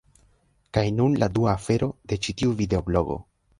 Kaj nun la dua afero, de ĉi tiu videoblogo